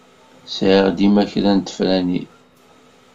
Sɛiɣ dima kra n tefranin.